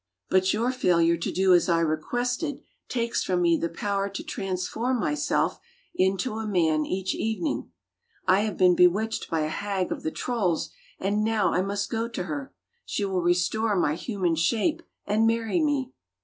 But your failure to do as I requested takes from me the power to transform my self into a man each evening. I have been bewitched by a hag of the trolls, and now I must go to her. She will restore my human shape and marry me."